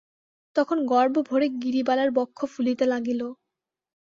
তখন গর্বভরে গিরিবালার বক্ষ ফুলিতে লাগিল।